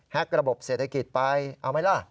ระบบเศรษฐกิจไปเอาไหมล่ะ